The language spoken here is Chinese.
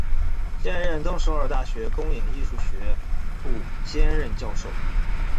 现任东首尔大学公演艺术学部兼任教授。